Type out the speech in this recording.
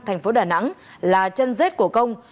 tp đà nẵng là chân rết của công